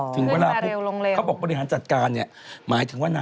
คือเร็วลงเร็ว